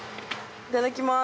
いただきます。